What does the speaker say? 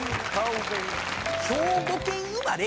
兵庫県生まれ